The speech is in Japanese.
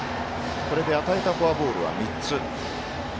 これで与えたフォアボールは３つ。